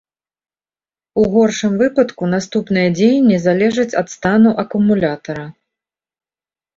У горшым выпадку наступныя дзеянні залежаць ад стану акумулятара.